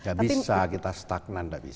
tidak bisa kita stagnan tidak bisa